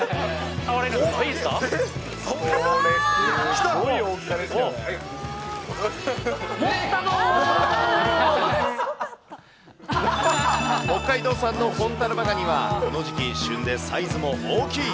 北海道産の本たらば蟹はこの時期、旬でサイズも大きい。